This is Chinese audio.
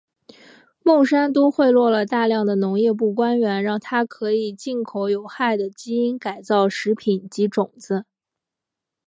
孟山都贿赂了大量的农业部官员让它可以进口有害的基因改造食品及种子。